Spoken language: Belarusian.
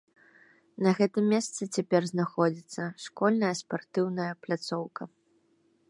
На гэтым месцы цяпер знаходзіцца школьная спартыўная пляцоўка.